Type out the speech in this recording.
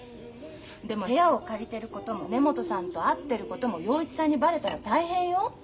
でも部屋を借りてることも根本さんと会ってることも洋一さんにバレたら大変よ？